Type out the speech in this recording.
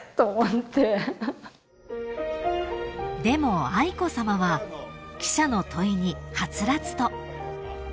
［でも愛子さまは記者の問いにはつらつと］